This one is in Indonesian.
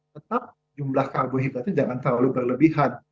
tetap jumlah karbohidratnya jangan terlalu berlebihan